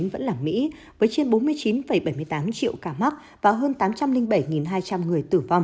với trên bốn mươi chín bảy mươi tám triệu cả mắc và hơn tám trăm linh bảy hai trăm linh người tử vong